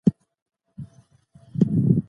هر ډول څکونکي نشه یې توکي زیانمن دي.